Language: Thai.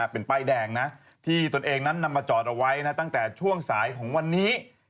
เป็นป้ายแดงนะที่ตนเองนั้นนำมาจอดเอาไว้ตั้งแต่ช่วงสายของวันนี้